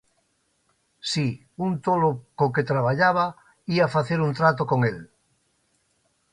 Si, un tolo co que traballaba ía facer un trato con el.